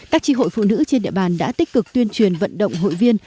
các tri hội phụ nữ trên địa bàn đã tích cực tuyên truyền vận động hội viên